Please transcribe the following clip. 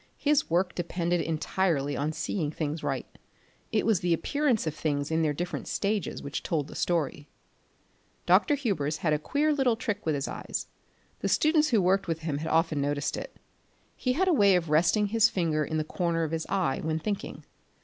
His work depended entirely on seeing things right; it was the appearance of things in their different stages which told the story. Dr. Hubers had a queer little trick with his eyes; the students who worked with him had often noticed it. He had a way of resting his finger in the corner of his eye when thinking.